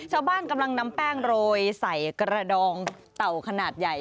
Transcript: ชาวบ้านกำลังนำแป้งโรยใส่กระดองเต่าขนาดใหญ่